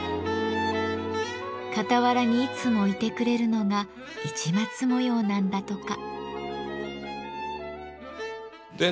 傍らにいつもいてくれるのが市松模様なんだとか。